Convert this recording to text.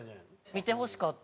見てほしかった。